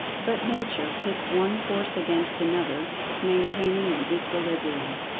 But Nature pits one force against another, maintaining an equilibrium.